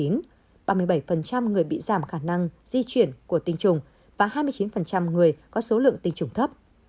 ba mươi bảy người bị giảm khả năng di chuyển của tiêm chủng và hai mươi chín người có số lượng tiêm chủng thấp